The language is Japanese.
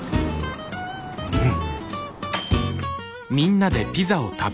うん。